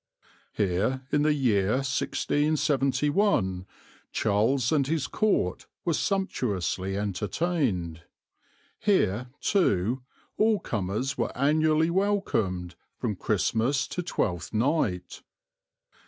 Here, in the year 1671, Charles and his court were sumptuously entertained. Here, too, all comers were annually welcomed, from Christmas to Twelfth Night.